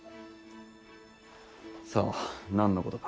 さあ何のことか。